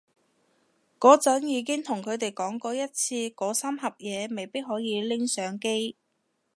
嗰陣已經同佢哋講過一次嗰三盒嘢未必可以拎上機